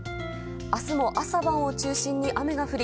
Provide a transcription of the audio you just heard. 明日も朝晩を中心に雨が降り